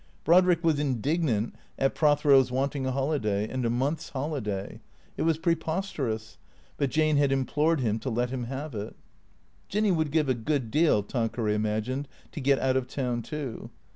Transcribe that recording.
Brodrick was indignant at Prothero's wanting a holiday, and a month's holiday. It was preposterous. But Jane had implored him to let him have it. Jinny would give a good deal, Tanqueray imagined, to get out of town too.